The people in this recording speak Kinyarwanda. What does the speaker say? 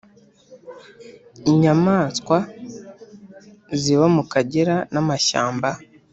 inyamanswa ziba mu kagera namashyamba